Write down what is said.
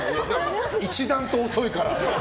一段と遅いから。